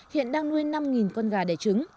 hiện đang nuôi năm con gà đẻ trứng